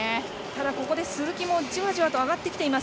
ここで鈴木もじわじわと上がってきています。